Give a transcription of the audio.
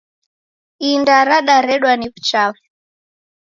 Inda radaredwa ni wuchafu